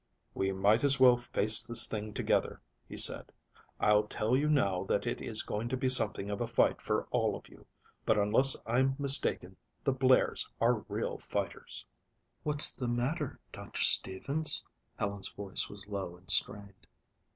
"We might as well face this thing together," he said. "I'll tell you now that it is going to be something of a fight for all of you, but unless I'm mistaken, the Blairs are all real fighters." "What's the matter Doctor Stevens?" Helen's voice was low and strained.